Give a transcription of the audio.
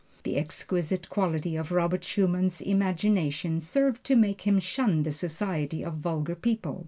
The exquisite quality of Robert Schumann's imagination served to make him shun the society of vulgar people.